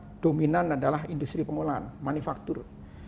jadi kita dominan adalah industri pemulaan manufacture